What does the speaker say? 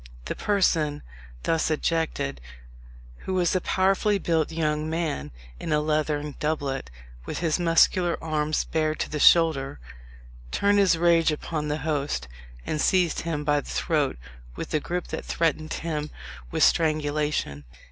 The person thus ejected, who was a powerfully built young man, in a leathern doublet, with his muscular arms bared to the shoulder, turned his rage upon the host, and seized him by the throat with a grip that threatened him with strangulation.